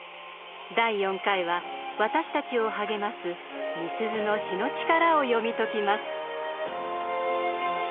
第４回は私たちを励ますみすゞの詩の力を読み解きます。